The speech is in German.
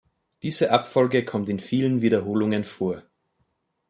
Diese Abfolge kommt in vielen Wiederholungen vor.